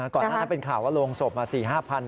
ก่อนถ้าเป็นข่าวว่าลงศพมา๔๐๐๐๕๐๐๐บาท